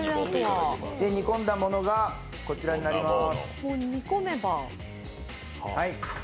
煮込んだものがこちらになります。